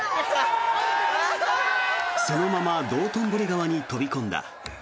そのまま道頓堀川に飛び込んだ。